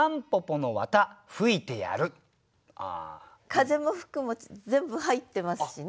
「風」も「吹く」も全部入ってますしね。